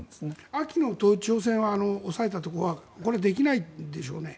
秋の統一地方選は抑えたところはこれはできないでしょうね。